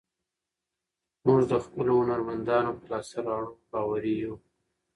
موږ د خپلو هنرمندانو په لاسته راوړنو باوري یو.